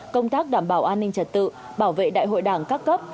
công tác đảm bảo an ninh trật tự bảo vệ đại hội đảng các cấp